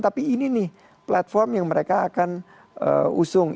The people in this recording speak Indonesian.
tapi ini nih platform yang mereka akan usung